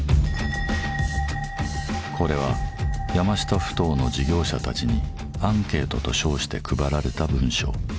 これは山下ふ頭の事業者たちにアンケートと称して配られた文書。